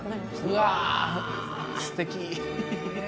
うわー、すてき。